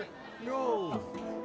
よう